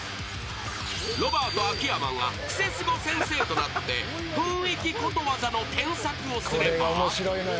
［ロバート秋山がクセスゴ先生となって雰囲気ことわざの添削をすれば］